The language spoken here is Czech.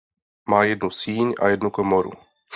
Má jednu síň a jednu komoru.